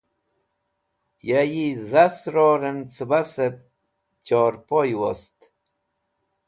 Ye yi dhas rorẽn cẽbasẽb chorpoy wost.